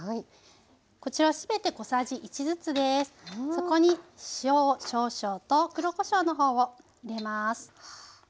そこに塩を少々と黒こしょうの方を入れます。